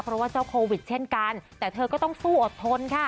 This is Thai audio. เพราะว่าเจ้าโควิดเช่นกันแต่เธอก็ต้องสู้อดทนค่ะ